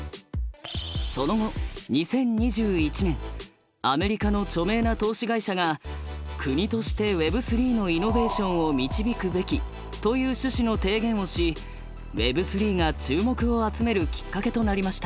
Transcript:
その後２０２１年アメリカの著名な投資会社が「国としてＷｅｂ３のイノベーションを導くべき」という趣旨の提言をしＷｅｂ３が注目を集めるきっかけとなりました。